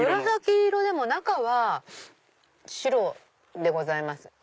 紫色でも中は白でございます。